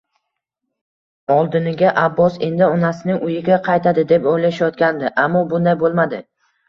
Oldiniga Abbos endi onasining uyiga qaytadi deb o`ylashayotgandi, ammo bunday bo`lmadi